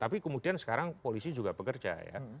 tapi kemudian sekarang polisi juga bekerja ya